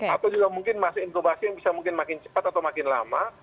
atau juga mungkin masa inkubasi yang bisa mungkin makin cepat atau makin lama